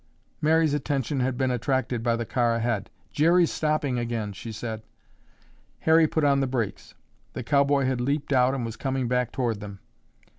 Mary's attention had been attracted by the car ahead. "Jerry's stopping again," she said. Harry put on the brakes. The cowboy had leaped out and was coming back toward them.